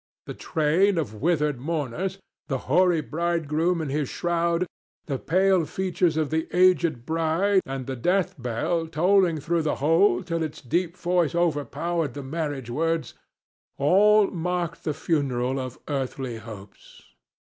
The train of withered mourners, the hoary bridegroom in his shroud, the pale features of the aged bride and the death bell tolling through the whole till its deep voice overpowered the marriage words,—all marked the funeral of earthly hopes.